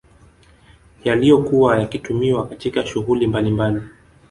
Yaliyokuwa yakitumiwa katika shughuli mbalimbali